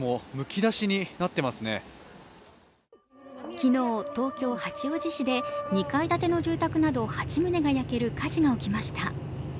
昨日、東京・八王子市で２階建て住宅など８棟が焼ける火事が起きました。